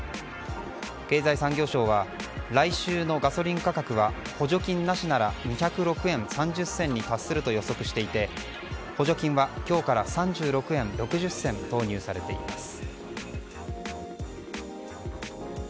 経済産業省は来週のガソリン価格は補助金なしなら２０６円３０銭に達すると予測していて補助金は今日から３６円６０銭投入されています。